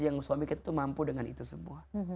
yang suami kita itu mampu dengan itu semua